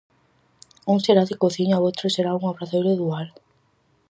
Un será de cociña e outro será un obradoiro dual.